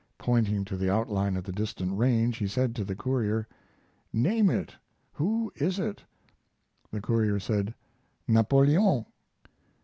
Pointing to the outline of the distant range he said to the courier: "Name it. Who is it?" The courier said, "Napoleon."